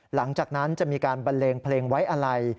หลังจากนั้นจะมีการบันเลงเพลงไว้อะไร